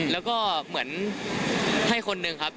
แล้วก็เหมือนให้คนหนึ่งครับ